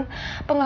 apa ada pengakuan